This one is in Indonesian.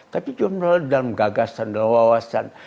tapi dalam gagasan dalam wawasan